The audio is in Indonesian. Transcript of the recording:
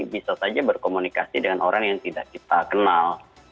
bisa saja berkomunikasi dengan orang yang tidak kita kenal